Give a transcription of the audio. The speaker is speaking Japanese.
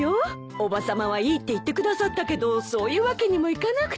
おばさまはいいって言ってくださったけどそういうわけにもいかなくて。